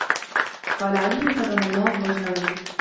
قَالَ عَلِيٌّ كَرَّمَ اللَّهُ وَجْهَهُ